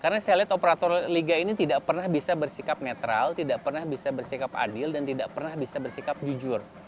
karena saya lihat operator liga ini tidak pernah bisa bersikap netral tidak pernah bisa bersikap adil dan tidak pernah bisa bersikap jujur